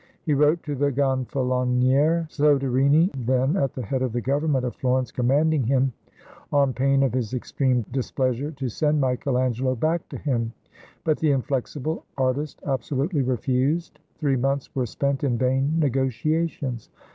He wrote to the Gonfalon iere Soderini, then at the head of the Government of Florence, commanding him, on pain of his extreme dis pleasure, to send Michael Angelo back to him; but the inflexible artist absolutely refused; three months were spent in vain negotiations.